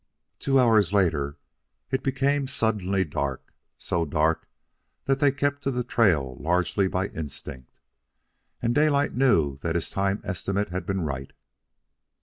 Two hours later it became suddenly dark so dark that they kept to the trail largely by instinct; and Daylight knew that his time estimate had been right.